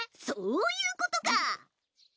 そういうことか！